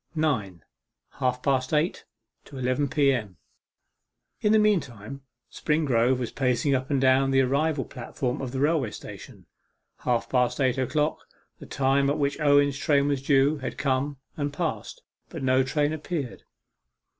9. HALF PAST EIGHT TO ELEVEN P.M. In the meantime, Springrove was pacing up and down the arrival platform of the railway station. Half past eight o'clock the time at which Owen's train was due had come, and passed, but no train appeared.